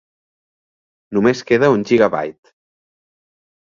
Només queda un gigabyte.